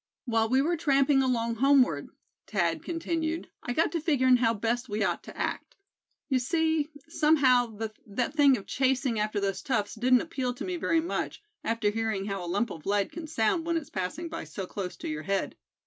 "While we were tramping along homeward," Thad continued, "I got to figuring how best we ought to act. You see, somehow that thing of chasing after those toughs didn't appeal to me very much, after hearing how a lump of lead can sound when it's passing by so close to your head.